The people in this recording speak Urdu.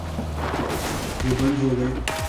وہ بند ہو گئے۔